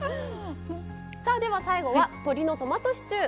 さあでは最後は鶏のトマトシチュー。